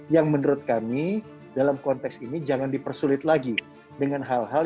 yang menurut kami dalam konteks ini jangan dipersulit lagi dengan hal hal